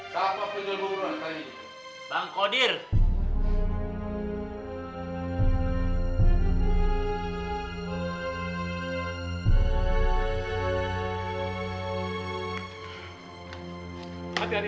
siapa penduduk buruan kali ini